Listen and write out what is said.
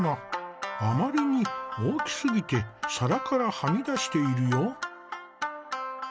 あまりに大きすぎて皿からはみ出しているよ。